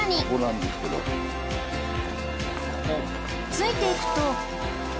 ついていくと